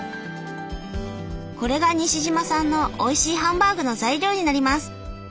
これが西島さんのおいしいハンバーグの材料になります。